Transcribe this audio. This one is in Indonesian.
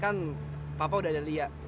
kan papa udah ada lia